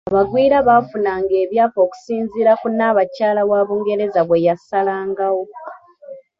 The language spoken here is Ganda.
Abagwira baafunanga ebyapa okusinziira ku Nnaabakyala wa Bungereza bwe yasalangawo.